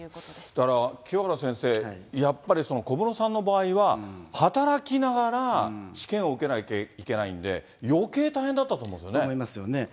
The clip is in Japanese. だから、清原先生、やっぱり小室さんの場合は、働きながら、試験を受けなきゃいけないんで、よけい大変だったと思うんですよ思いますよね。